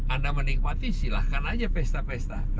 anda menikmati silahkan aja pesta pesta kenapa tidak